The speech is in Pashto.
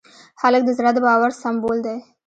هلک د زړه د باور سمبول دی.